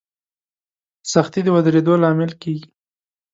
سختي د ودرېدو لامل کېږي.